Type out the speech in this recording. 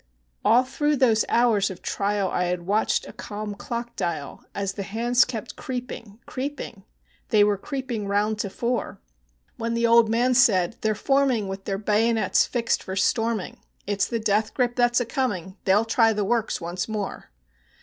All through those hours of trial I had watched a calm clock dial, As the hands kept creeping, creeping, they were creeping round to four, When the old man said, "They're forming with their bagonets fixed for storming: It 's the death grip that's a coming, they will try the works once more."